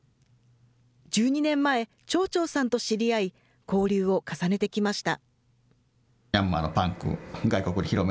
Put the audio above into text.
１２年前、チョーチョーさんと知り合い、交流を重ねてきました。